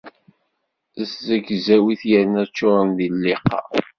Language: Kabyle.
Zegzawit yerna ččuren d lliqa.